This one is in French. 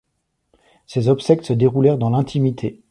Ses obsèques se déroulèrent dans l’intimité.